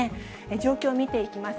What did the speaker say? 状況を見ていきます。